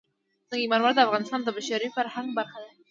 سنگ مرمر د افغانستان د بشري فرهنګ برخه ده.